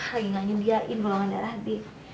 lagi gak nyediain golongan darah b